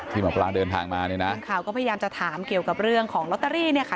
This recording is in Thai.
หมอปลาเดินทางมาเนี่ยนะทีมข่าวก็พยายามจะถามเกี่ยวกับเรื่องของลอตเตอรี่เนี่ยค่ะ